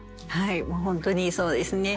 もう本当にそうですね。